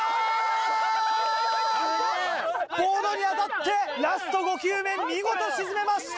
ボードに当たってラスト５球目見事沈めました！